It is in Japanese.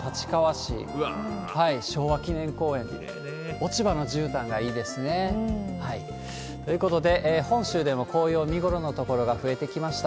落ち葉のじゅうたんがいいですね。ということで、本州でも紅葉見頃の所が増えてきました。